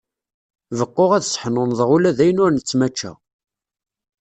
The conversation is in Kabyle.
Beqquɣ ad seḥnunḍeɣ ula dayen ur nettmačča.